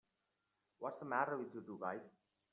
What's the matter with you two guys?